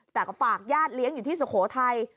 แต่ก็ฝากญาติเลี้ยงอยู่ที่สุโขทัย